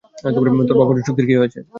তোর বার চুক্তির কী হয়েছে?